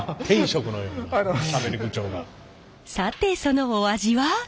さてそのお味は？